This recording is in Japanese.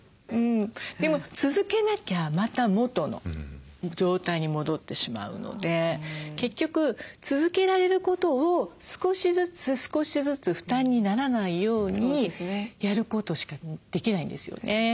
でも続けなきゃまた元の状態に戻ってしまうので結局続けられることを少しずつ少しずつ負担にならないようにやることしかできないんですよね。